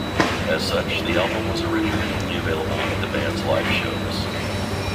As such, the album was originally only available at the band's live shows.